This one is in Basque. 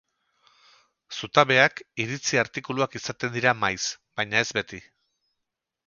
Zutabeak iritzi artikuluak izaten dira maiz, baina ez beti.